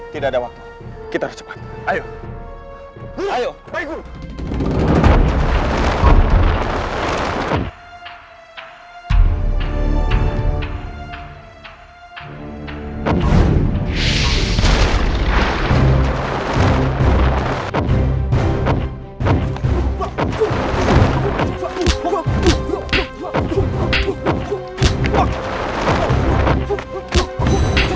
tidak usah tidak ada waktu